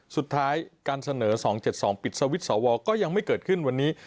สุดท้ายการเสนอ๒๗๒ปิดสวิตช์สวก็ยังไม่เกิดขึ้นวันนี้